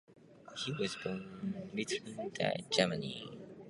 He was born in Ettlingen and died in Gemmingen.